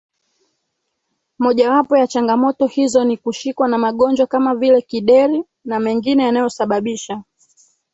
Mojawapo ya changamoto hizo ni kushikwa na magonjwa kama vile kideri na mengine yanayosababisha